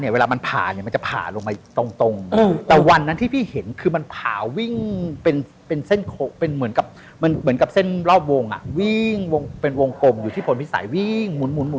เวลามันผ่ามันจะผ่าลงไปตรง